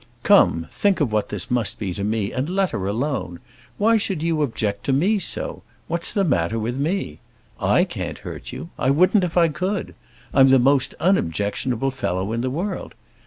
"Come, think of what this must be to me, and let her alone! Why should you object to me so—what's the matter with me? I can't hurt you. I wouldn't if I could. I'm the most unobjectionable fellow in the world.